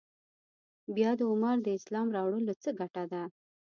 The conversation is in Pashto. بیا د عمر د اسلام راوړلو څه ګټه ده.